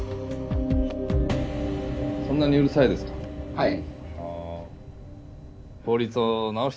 ・はい。